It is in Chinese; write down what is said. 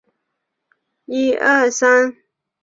它们在制造商西门子铁路系统内部被称为。